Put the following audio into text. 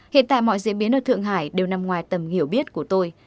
hiện tại mọi diễn biến ở thượng hải đều nằm ngoài tầm hiểu biết của tôi